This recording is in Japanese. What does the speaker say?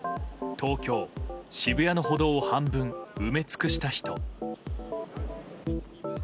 東京・渋谷の歩道を半分埋め尽くした人。